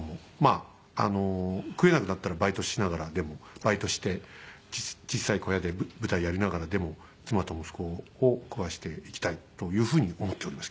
あの食えなくなったらバイトしながらでもバイトして小さい小屋で舞台やりながらでも妻と息子を食わしていきたいという風に思っておりますけどね。